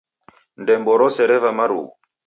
Ndembo rose reva marughu.